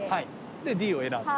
で「Ｄ」を選んだ。